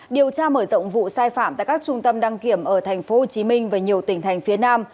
điều tra mở rộng vụ sai phạm tại các trung tâm đăng kiểm ở tp hcm và nhiều tỉnh thành phía nam